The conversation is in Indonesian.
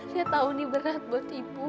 saya tahu ini berat buat ibu